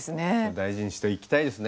大事にしていきたいですね。